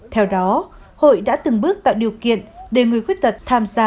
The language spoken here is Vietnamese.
theo đó hội đã từng bước tạo điều kiện để người khuyết tật tham gia